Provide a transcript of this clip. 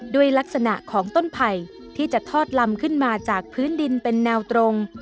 ด้วยลักษณะของต้นไผ่ที่จะทอดลำขึ้นมาจากพื้นดินเป็นแนวตรง